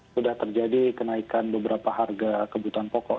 sudah terjadi kenaikan beberapa harga kebutuhan pokok